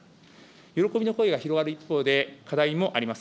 喜びの声が広がる一方で、課題もあります。